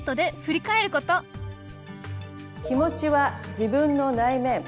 気持ちは自分の内面。